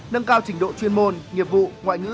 nâng cao trình độ chuyên môn nghiệp vụ ngoại ngữ